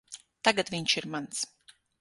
Tagad viņš ir mans.